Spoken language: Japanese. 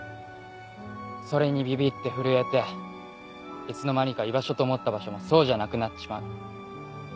それにビビって震えていつの間にか居場所と思った場所もそうじゃなくなっちまう。